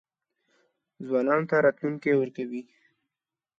ځوانانو ته راتلونکی ورکوي.